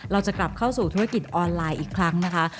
เราจะกลับเข้าสู่ธุรกิจออนไลน์อีกครั้งนะคะ